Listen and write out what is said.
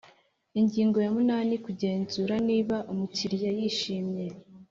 Ingingo ya munani Kugenzura niba umukiriya yishimye